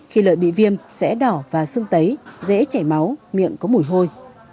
khi lợi bị viêm sẽ đỏ và sưng tấy dễ chảy máu miệng có mùi hôi